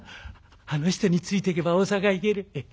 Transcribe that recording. あの人についていけば大坂行ける」。